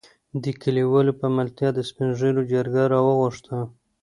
دې کليوالو په ملتيا د سپين ږېرو جرګه راوغښته.